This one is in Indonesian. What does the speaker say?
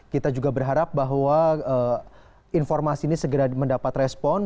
kita juga berharap bahwa informasi ini segera mendapat respon